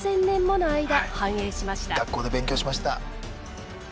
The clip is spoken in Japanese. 学校で勉強しました。